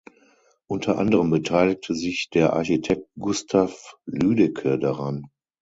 Unter anderem beteiligte sich der Architekt Gustav Lüdecke daran.